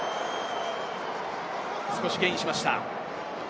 少しゲインしました。